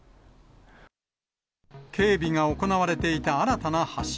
警備が行われていた新たな橋。